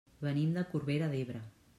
Venim de Corbera d'Ebre.